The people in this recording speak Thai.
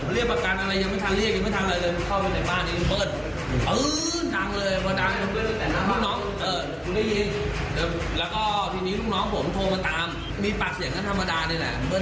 เรียกประกันอะไรยังไม่ทันเรียกยังไม่ทันอะไรเลย